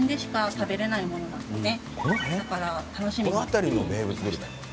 だから楽しみに来ました。